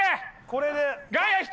これで。